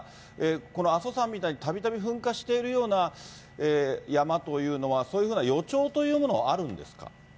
この阿蘇山みたいに、たびたび噴火しているような山というのは、そういうような予兆というものがあるんでしょうか。